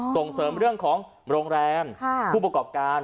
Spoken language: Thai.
ส่งเสริมเรื่องของโรงแรมผู้ประกอบการ